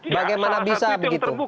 bagaimana bisa begitu